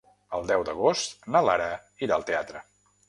El deu d'agost na Lara irà al teatre.